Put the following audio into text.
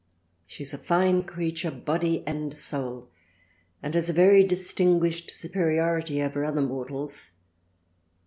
She is a fine creature Body and Soul and has a very distinguished superiority over other Mortals.